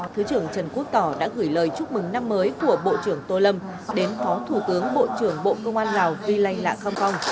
thứ trưởng trần quốc tỏ đã gửi lời chúc mừng năm mới của bộ trưởng tô lâm đến phó thủ tướng bộ trưởng bộ công an lào vi lây lanh lạ kham phong